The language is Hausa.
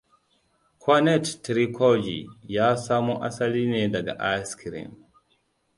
Cornette-trilogy ya samo asali ne daga askirim.